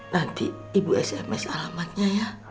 nanti ibu sms alamatnya ya